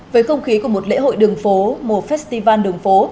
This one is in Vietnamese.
với không khí của một lễ hội đường phố mùa festival đường phố